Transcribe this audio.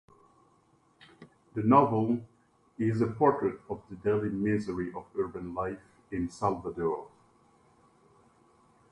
The novel is a portrait of the daily misery of urban life in Salvador.